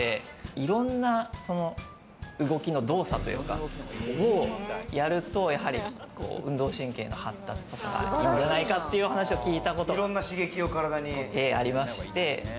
いろんな動きの動作というか、やると、運動神経の発達とかいいんじゃないかという話を聞いたことがありまして。